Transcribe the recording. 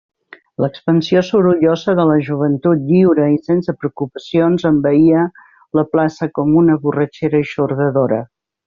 L'expansió sorollosa de la joventut lliure i sense preocupacions envaïa la plaça com una borratxera eixordadora.